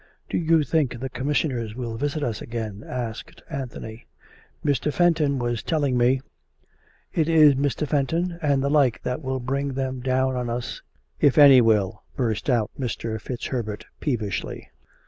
" Do you think the Commissioners will visit us again? " asked Anthony. " Mr. Fenton was telling me "" It is Mr. Fenton and the like that will bring them down on us if any will/' burst out Mr. FitzHerbert peevishly.